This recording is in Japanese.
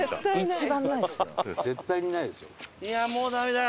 いやもうダメだ！